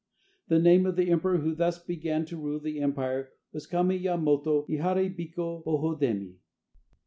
The name of the emperor who thus began to rule the empire was Kami Yamato Ihare biko Hohodemi."